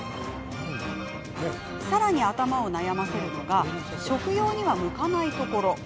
さらに、頭を悩ませるのが食用には向かないところ。